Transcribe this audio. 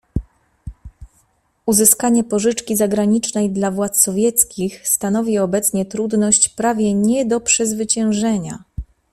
"Uzyskanie pożyczki zagranicznej dla władz sowieckich stanowi obecnie trudność prawie nie do przezwyciężenia."